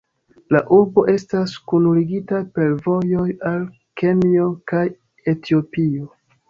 La urbo estas kunligita per vojoj al Kenjo kaj Etiopio.